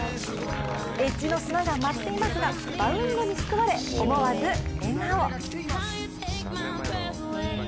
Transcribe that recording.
エッジの砂が舞っていますがバウンドに救われ、思わず笑顔。